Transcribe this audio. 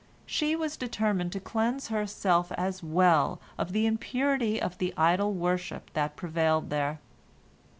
She was determined to cleanse herself as well of the impurity of the idol worship that prevailed there.